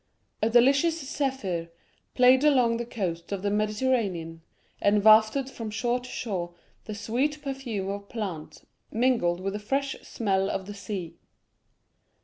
A delicious zephyr played along the coasts of the Mediterranean, and wafted from shore to shore the sweet perfume of plants, mingled with the fresh smell of the sea.